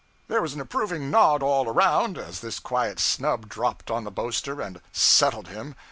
There was an approving nod all around as this quiet snub dropped on the boaster and 'settled' him.